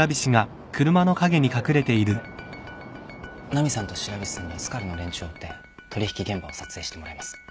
ナミさんと白菱さんにはスカルの連中を追って取引現場を撮影してもらいます